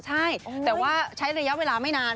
ใช่แต่ว่าใช้ระยะเวลาไม่นาน